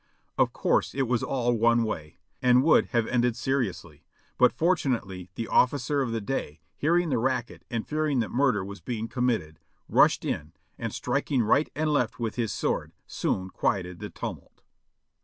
Of course it was all one way, and would have ended seriously, but fortunately the officer of the day, hearing the racket and fearing that murder was being com mitted, rushed in, and striking right and left with his sword, soon Cjuieted the tumult.